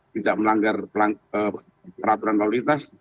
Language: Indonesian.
tidak melanggar peraturan lalu lintas